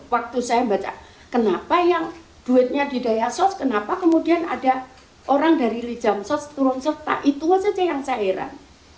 waktu saya baca kenapa yang duitnya di dayasos kenapa kemudian ada orang dari lijam sos turun serta itu saja yang saya heran